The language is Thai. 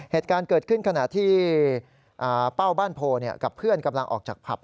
เหตุการณ์เกิดขึ้นขณะที่เป้าบ้านโพกับเพื่อนกำลังออกจากผับ